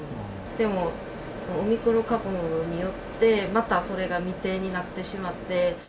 でも、オミクロン株によって、またそれが未定になってしまって。